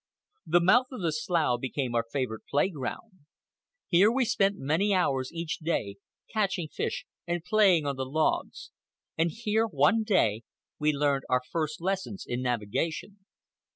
The mouth of the slough became our favorite playground. Here we spent many hours each day, catching fish and playing on the logs, and here, one day, we learned our first lessons in navigation.